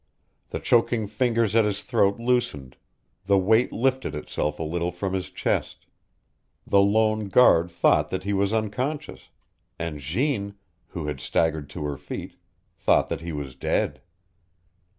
The choking fingers at his throat loosened; the weight lifted itself a little from his chest. The lone guard thought that he was unconscious, and Jeanne, who had staggered to her feet, thought that he was dead.